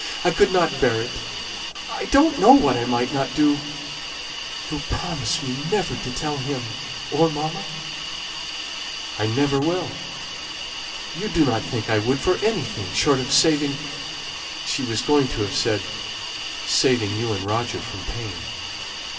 I couldn't bear it. I don't know what I might not do. You'll promise me never to tell him, or mamma?" "I never will. You do not think I would for anything short of saving " She was going to have said, "saving you and Roger from pain."